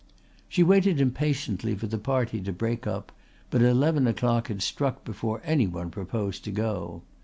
She waited impatiently for the party to break up but eleven o'clock had struck before any one proposed to go.